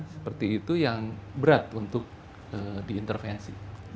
seperti itu yang berat untuk diintervensi